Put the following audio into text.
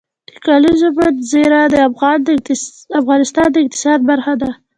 د کلیزو منظره د افغانستان د اقتصاد برخه ده.